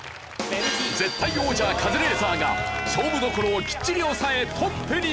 絶対王者カズレーザーが勝負どころをきっちり押さえトップに。